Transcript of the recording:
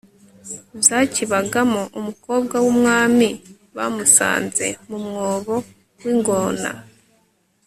zakibagamo. umukobwa w'umwami bamusanze mu mwobo w'ingona